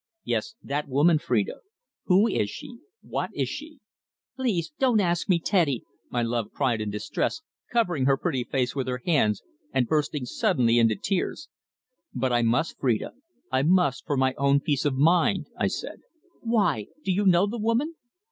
"Yes, that woman, Phrida. Who is she what is she?" "Please don't ask me, Teddy," my love cried in distress, covering her pretty face with her hands and bursting suddenly into tears. "But I must, Phrida I must, for my own peace of mind," I said. "Why? Do you know the woman?"